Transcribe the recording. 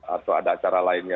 atau ada acara lainnya